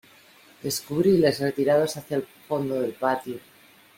descubríles retirados hacia el fondo del patio